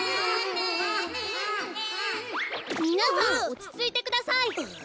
みなさんおちついてください。